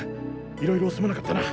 いろいろすまなかったな。